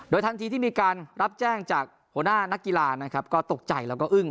ทันทีที่มีการรับแจ้งจากหัวหน้านักกีฬานะครับก็ตกใจแล้วก็อึ้ง